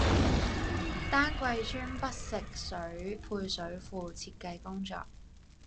丹桂村北食水配水庫設計工作